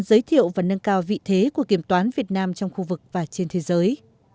giới thiệu và nâng cao vị thế của kiểm toán việt nam trong khu vực và trên thế giới